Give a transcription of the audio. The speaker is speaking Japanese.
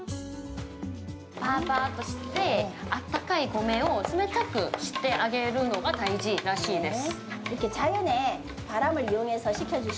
ぱーぱーっとしてあったかい米を冷たくしてあげるのが大事らしいです。